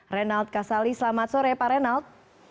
renald kasali selamat sore pak reynald